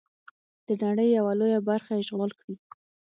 د نړۍ یوه لویه برخه اشغال کړي.